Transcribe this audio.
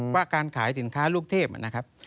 ว่าการขายสินค้าลูกเทพ